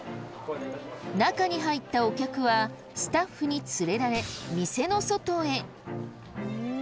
中に入ったお客はスタッフに連れられ店の外へ。